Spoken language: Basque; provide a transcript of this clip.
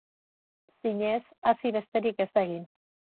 Zinez, hasi besterik ez da egin.